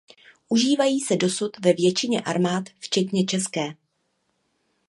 Užívají se dosud ve většině armád včetně české.